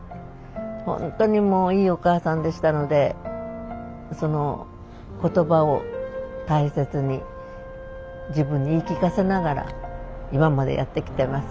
ほんとにいいおかあさんでしたのでその言葉を大切に自分に言い聞かせながら今までやってきてます。